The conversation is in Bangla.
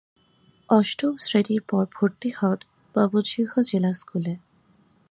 অষ্টম শ্রেণীর পর ভর্তি হন ময়মনসিংহ জেলা স্কুলে।